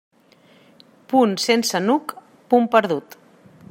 Punt sense nuc, punt perdut.